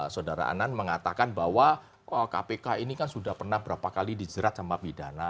saudara anan mengatakan bahwa kpk ini kan sudah pernah berapa kali dijerat sama pidana